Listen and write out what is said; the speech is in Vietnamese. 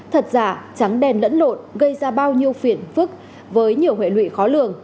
thật giả trắng đèn lẫn lộn gây ra bao nhiêu phiền phức với nhiều hệ lụy khó lường